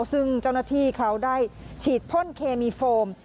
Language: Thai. ซึ่งเจ้าหน้าที่เขาได้ฉีดพ่นเคมีโฟม